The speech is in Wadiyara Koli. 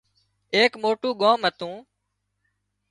ايڪ موٽُون ڳام هتُون